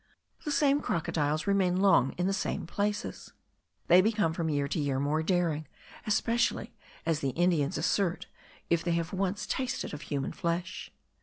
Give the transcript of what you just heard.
The same crocodiles remain long in the same places. They become from year to year more daring, especially, as the Indians assert, if they have once tasted of human flesh.